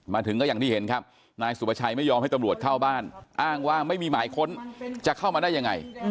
มาถึงก็อย่างที่เห็นครับนายสุประชัยไม่ยอมให้ตำรวจเข้าบ้านอ้างว่าไม่มีหมายค้นจะเข้ามาได้ยังไง